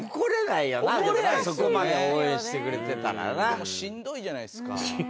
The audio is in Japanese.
でもしんどいじゃないですか。